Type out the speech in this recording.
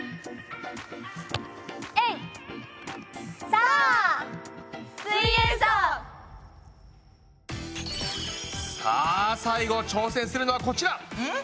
さあ最後挑戦するのはこちら！